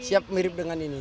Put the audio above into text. siap mirip dengan ini